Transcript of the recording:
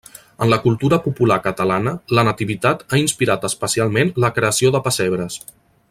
En la cultura popular catalana, la Nativitat ha inspirat especialment la creació de pessebres.